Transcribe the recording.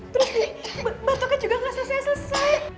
terus nih batoknya juga gak selesai selesai